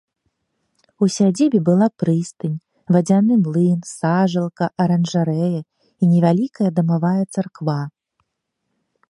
У сядзібе была прыстань, вадзяны млын, сажалка, аранжарэя і невялікая дамавая царква.